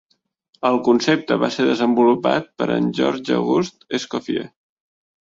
El concepte va ser desenvolupat per en Georges Auguste Escoffier.